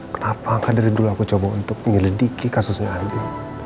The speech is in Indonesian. kenapa karena dari dulu aku coba untuk menyelidiki kasusnya aja